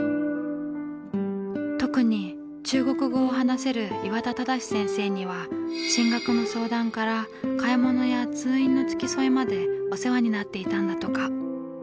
特に中国語を話せる岩田忠先生には進学の相談から買い物や通院の付き添いまでお世話になっていたんだとか。